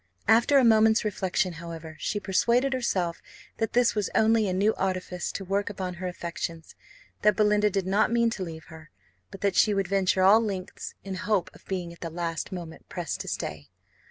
After a moment's reflection, however, she persuaded herself that this was only a new artifice to work upon her affections; that Belinda did not mean to leave her; but that she would venture all lengths, in hopes of being at the last moment pressed to stay.